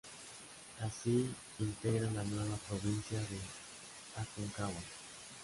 Así integra la nueva Provincia de Aconcagua.